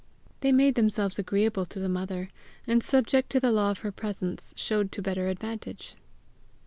They made themselves agreeable to the mother, and subject to the law of her presence showed to better advantage.